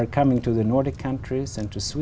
chúng ta import rất nhiều thứ